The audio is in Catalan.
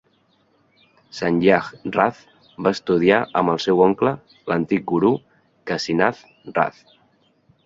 Sanjay Rath va estudiar amb el seu oncle, l'antic guru Kasinath Rath.